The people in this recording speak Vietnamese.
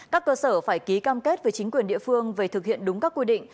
các cơ sở phải ký cam kết với chính quyền địa phương về thực hiện đúng các quy định